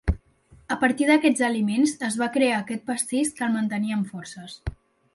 A partir d'aquests aliments es va crear aquest pastís que els mantenia amb forces.